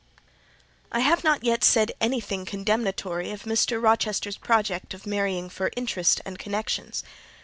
I have not yet said anything condemnatory of Mr. Rochester's project of marrying for interest and connections.